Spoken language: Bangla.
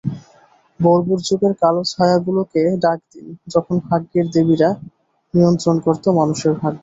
বর্বর যুগের কালো ছায়াগুলোকে ডাক দিন, যখন ভাগ্যের দেবীরা নিয়ন্ত্রণ করত মানুষের ভাগ্য।